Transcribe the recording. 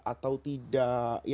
atau tukar doa iftita